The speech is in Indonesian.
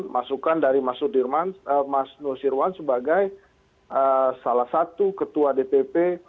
masukan dari mas nusirwan sebagai salah satu ketua dpp